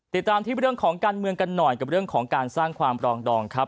ติดตามที่เรื่องของการเมืองกันหน่อยกับเรื่องของการสร้างความปรองดองครับ